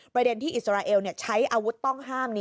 ประเด็นที่อิสราเอลใช้อาวุธต้องห้าม